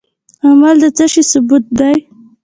عمل د څه شي ثبوت دی؟